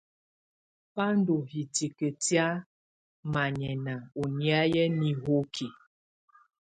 Bá ndɔ̀ hìtìkǝ tɛ̀á manyɛ̀nà ɔ̀ nyɛ̀á nihokí.